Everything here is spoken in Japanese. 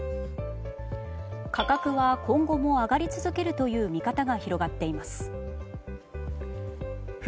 価格は今後も上がり続けるという見方が広がっています。